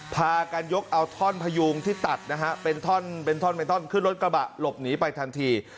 พากันยกเอาท่อนพยูงที่ตัดนะฮะเป็นท่อนเป็นท่อนเป็นท่อนขึ้นรถกระบะหลบหนีไปทันที